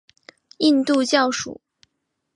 印度教属。